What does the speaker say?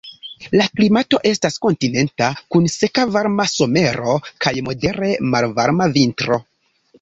La klimato estas kontinenta, kun seka varma somero kaj modere malvarma vintro.